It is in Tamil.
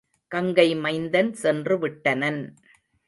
கங்கை மைந்தன் சென்று விட்டனன்.